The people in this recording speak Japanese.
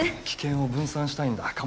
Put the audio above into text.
危険を分散したいんだ。